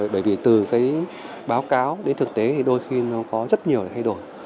bởi vì từ báo cáo đến thực tế đôi khi có rất nhiều thay đổi